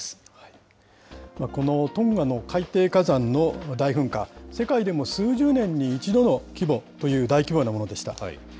このトンガの海底火山の大噴火、世界でも数十年に一度の規模という大規模なものでした。